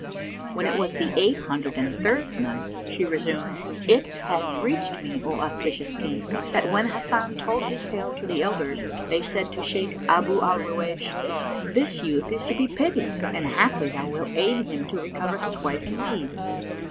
When it was the Eight Hundred and Third Night, She resumed, It hath reached me, O auspicious King, that when Hasan told his tale to the elders, they said to Shaykh Abu al Ruwaysh, "This youth is to be pitied and haply thou wilt aid him to recover his wife and wees."